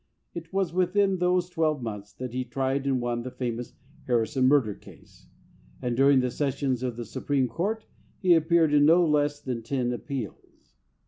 It was within those twelve months that he tried and won the famous Harrison murder case, and during the sessions of the Supreme Court he appeared in no less than ten appeals.